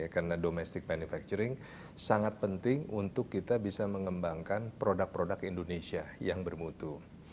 karena domestic manufacturing sangat penting untuk kita bisa mengembangkan produk produk indonesia yang bermutu